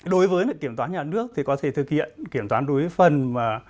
đối với kiểm toán nhà nước thì có thể thực hiện kiểm toán đối với phần